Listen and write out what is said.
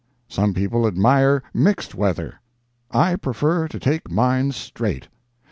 Some people admire mixed weather. I prefer to take mine "straight."